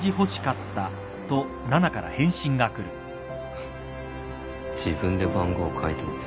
フッ自分で番号書いといて。